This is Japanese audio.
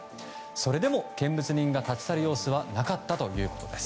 それでも見物人が立ち去る様子はなかったということです。